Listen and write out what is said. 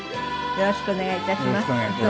よろしくお願いします。